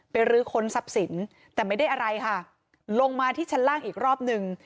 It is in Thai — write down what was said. รื้อค้นทรัพย์สินแต่ไม่ได้อะไรค่ะลงมาที่ชั้นล่างอีกรอบหนึ่ง